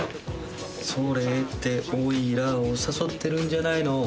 「それってオイラを誘ってるんじゃないの」